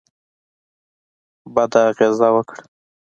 بده اغېزه وکړه.